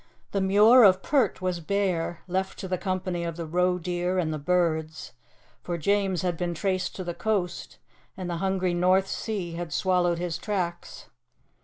The Muir of Pert was bare, left to the company of the roe deer and the birds, for James had been traced to the coast, and the hungry North Sea had swallowed his tracks.